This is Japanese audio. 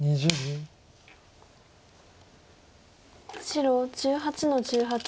白１８の十八。